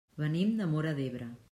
Venim de Móra d'Ebre.